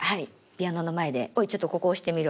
ピアノの前で「おいちょっとここ押してみろ」。